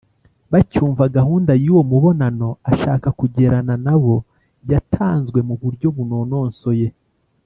bacyumva gahunda y’uwo mubonano ashaka kugirana na bo yatanzwe mu buryo bunonosoye